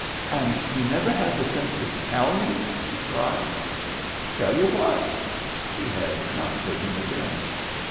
, "And you never had the sense to tell me I" she cried. "Tell you what?" He had not taken it in.